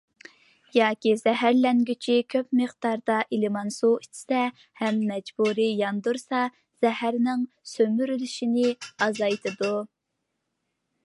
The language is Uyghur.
ياكى زەھەرلەنگۈچى كۆپ مىقداردا ئىلمان سۇ ئىچسە ھەم مەجبۇرىي ياندۇرسا، زەھەرنىڭ سۈمۈرۈلۈشىنى ئازايتىدۇ.